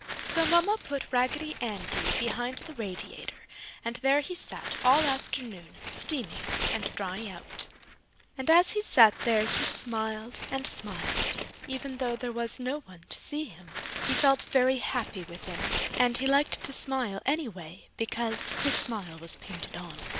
So Mama put Raggedy Andy behind the radiator and there he sat all afternoon, steaming and drying out. And as he sat there he smiled and smiled, even though there was no one to see him. He felt very happy within and he liked to smile, anyway, because his smile was painted on.